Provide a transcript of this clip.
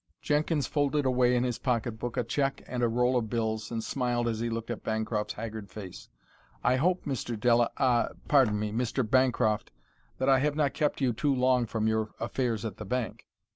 Jenkins folded away in his pocket book a check and a roll of bills and smiled as he looked at Bancroft's haggard face. "I hope, Mr. Dela ah, pardon me, Mr. Bancroft, that I have not kept you too long from your affairs at the bank."